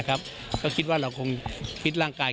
ก็แบบนี้ก็ไม่เปล่าไง